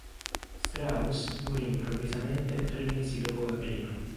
Strauss morì improvvisamente tre mesi dopo la prima.